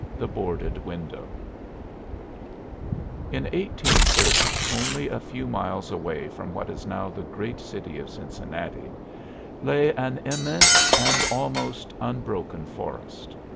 THE BOARDED WINDOW In 1830, only a few miles away from what is now the great city of Cincinnati, lay an immense and almost unbroken forest.